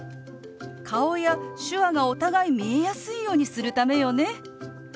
顔や手話がお互い見えやすいようにするためよね。